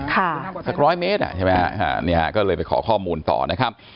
สักร้อยเมตรอ่ะใช่ไหมฮะอ่านี่ฮะก็เลยไปขอข้อมูลต่อนะครับ